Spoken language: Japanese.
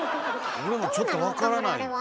俺もちょっと分からない。